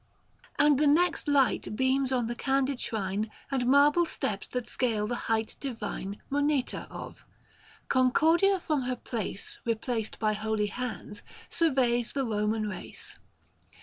And the next light beams on the candid shrine And marble steps that scale the height divine 685 Moneta of : Concordia from her place Keplaced by holy hands, surveys the Eoman race.